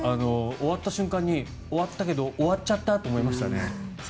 終わった瞬間に終わったけど終わっちゃったって思いましたね。